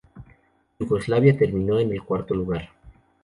Yugoslavia terminó en el cuarto lugar.